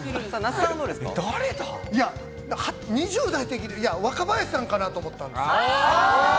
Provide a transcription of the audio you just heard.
２０代って聞いて、若林さんかなって思ったんですよ。